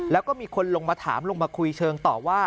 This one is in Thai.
แล้วก็มีคนลงมาถามลงมาคุยเชิงต่อว่า